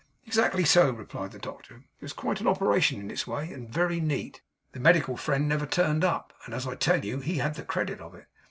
'Exactly so,' replied the doctor. 'It was quite an operation in its way, and very neat. The medical friend never turned up; and, as I tell you, he had the credit of it.